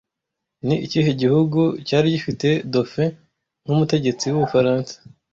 Ni ikihe gihugu cyari gifite Dauphin nk'umutegetsi w'Ubufaransa